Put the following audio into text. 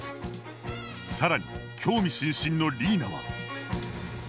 更に興味津々の梨衣名は。